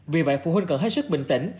vì vậy phụ huynh cần hết sức bình tĩnh